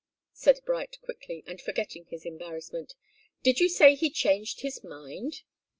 said Bright, quickly, and forgetting his embarrassment. "Did you say he changed his mind?"